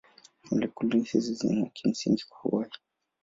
Molekuli hizi ni za kimsingi kwa uhai.